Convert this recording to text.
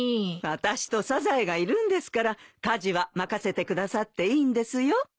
私とサザエがいるんですから家事は任せてくださっていいんですよ。